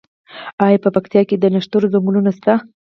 آیا په پکتیا کې د نښترو ځنګلونه شته؟